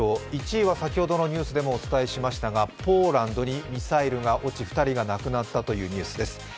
１位は先ほどのニュースでもお伝えしましたがポーランドにミサイルが落ち２人が亡くなったというニュースです。